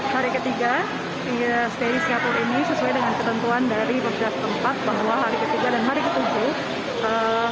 hari ketiga di staying singapore ini sesuai dengan ketentuan dari pekerjaan tempat bahwa hari ketiga dan hari ketujuh